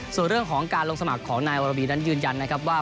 ส่วนเรื่องของการลงสมัครของนายวรบีนั้นยืนยันนะครับว่า